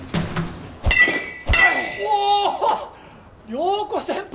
涼子先輩